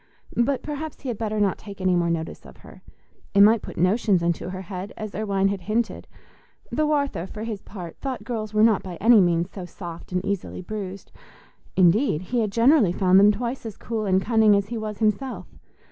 But perhaps he had better not take any more notice of her; it might put notions into her head, as Irwine had hinted; though Arthur, for his part, thought girls were not by any means so soft and easily bruised; indeed, he had generally found them twice as cool and cunning as he was himself.